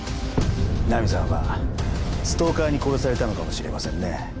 ナミさんはストーカーに殺されたのかもしれませんね。